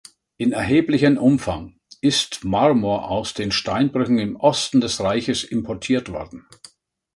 In erheblichem Umfang ist Marmor aus den Steinbrüchen im Osten des Reiches importiert worden.